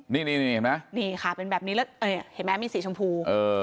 นี่นี่ค่ะเป็นแบบนี้มีสีชมพู